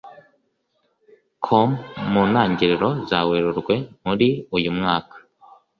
com mu ntangiriro za werurwe muri uyu mwaka